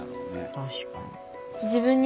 確かに。